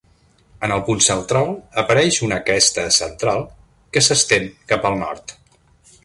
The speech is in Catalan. En el punt central apareix una cresta central que s'estén cap al nord.